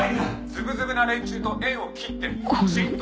「ズブズブな連中と縁を切って」